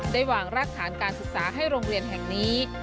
ได้วางรากฐานการศึกษาให้โรงเรียนแห่งนี้